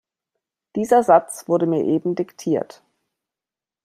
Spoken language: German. Dieser Satz wurde mir eben diktiert.